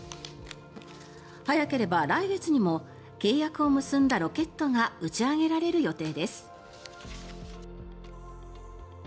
早ければ来月にも契約を結んだロケットが打ち上げられる予定です。